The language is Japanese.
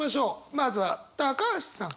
まずは橋さん。